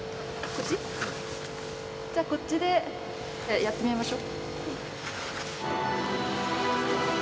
じゃあこっちでやってみましょう。